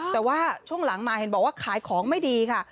แต่ว่าช่วงหลังมาเห็นบอกว่าขายของไม่ดีค่ะ